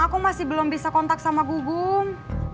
aku masih belum bisa kontak sama gugum